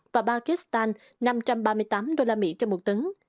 và pakistan năm trăm ba mươi tám usd trong một tấn